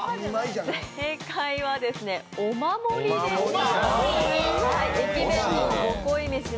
正解はお守りでした。